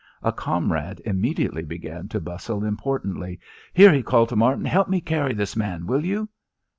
A comrade immediately began to bustle importantly. "Here," he called to Martin, "help me carry this man, will you?"